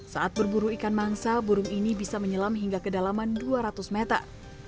saat berburu ikan mangsa burung ini bisa menyelam hingga kedalaman dua ratus meter